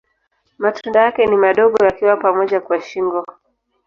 Matunda yake ni madogo yakiwa pamoja kwa shingo.